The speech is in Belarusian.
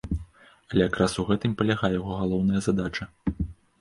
Але якраз у гэтым і палягае яго галоўная задача!